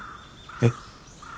えっ？